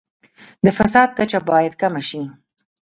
د فساد کچه باید کمه شي.